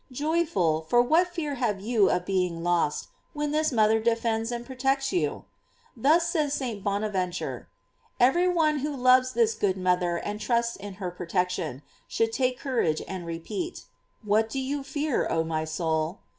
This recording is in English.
Joyful; for what fear have you of being lost when this mother defends and protects you? Thus says St. Bona venture: Every one who loves this good mother and trusts in her protection, should take cour age and repeat: What do you fear, oh my soul?